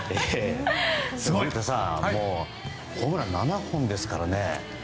古田さんもうホームラン７本ですからね。